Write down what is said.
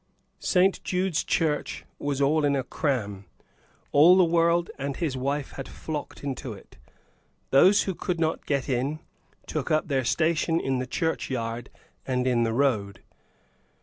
St. Jude's Church was in a cram; all the world and his wife had flocked into it. Those who could not get in, took up their station in the churchyard and in the road.